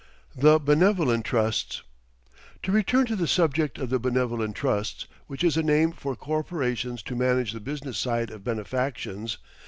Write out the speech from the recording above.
THE BENEVOLENT TRUSTS To return to the subject of the Benevolent Trusts, which is a name for corporations to manage the business side of benefactions.